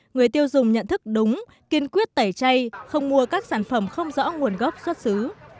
người tiêu dùng nhận thức đúng kiên quyết tẩy chay không mua các sản phẩm không rõ nguồn gốc xuất xứ